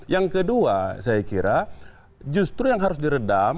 yang kedua saya kira justru yang harus diredam